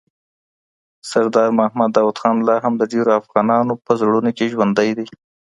سردار محمد داود خان لا هم د ډېرو افغانانو په زړونو کي ژوندی دی.